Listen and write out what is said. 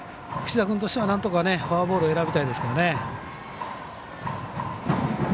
櫛田君としてはなんとかフォアボールを選びたいですね。